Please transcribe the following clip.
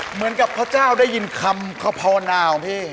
เหมือนกับพระเจ้าได้ยินคำคภาวนาของพี่